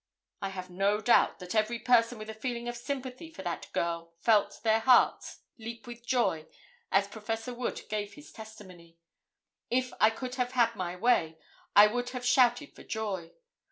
I have no doubt that every person with a feeling of sympathy for that girl felt their hearts leap with joy as Prof. Wood gave his testimony. If I could have had my way I would have shouted for joy.